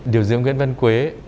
điều diễn nguyễn văn quế